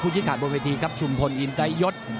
ชิดขาดบนเวทีครับชุมพลอินไตยศ